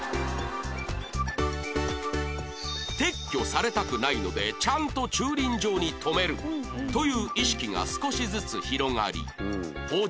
撤去されたくないのでちゃんと駐輪場に止めるという意識が少しずつ広がり放置